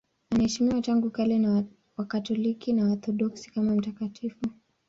Anaheshimiwa tangu kale na Wakatoliki na Waorthodoksi kama mtakatifu.